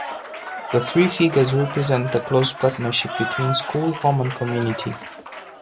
The three figures represent the close partnership between school, home and community.